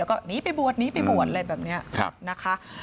แล้วก็หนีไปบวชหนีไปบวชอะไรแบบนี้นะคะ